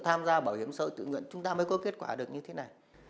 tham gia bảo hiểm xã hội tự nguyện chúng ta mới có kết quả được như thế này